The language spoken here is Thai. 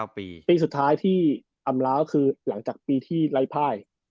ปีสุดท้ายที่อำล้าวคือหลังจากปีที่ไร้ภาย